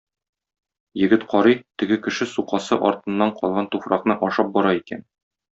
Егет карый, теге кеше сукасы артыннан калган туфракны ашап бара икән.